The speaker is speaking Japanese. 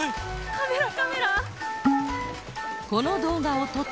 カメラカメラ！